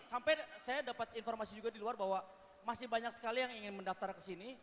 sampai saya dapat informasi juga di luar bahwa masih banyak sekali yang ingin mendaftar ke sini